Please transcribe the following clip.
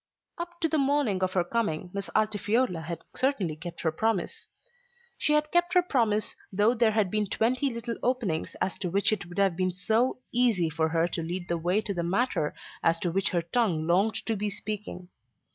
Up to the morning of her coming Miss Altifiorla had certainly kept her promise. She had kept her promise though there had been twenty little openings as to which it would have been so easy for her to lead the way to the matter as to which her tongue longed to be speaking.